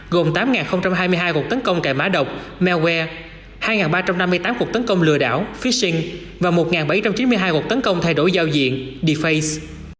gồm tám hai mươi hai cuộc tấn công cài má độc malware